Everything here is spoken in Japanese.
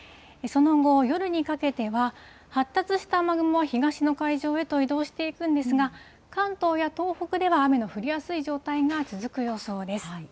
その後、夜にかけては、発達した雨雲は東の海上へと移動していくんですが、関東や東北では雨の降りやすい状態が続く予想です。